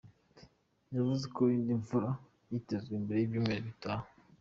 Yavuze ko indi mvura yitezwe mbere y'icyumweru gitaha.